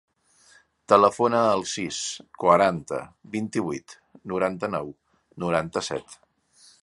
Telefona al sis, quaranta, vint-i-vuit, noranta-nou, noranta-set.